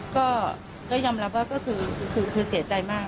ก็ยอมรับว่าก็คือเสียใจมาก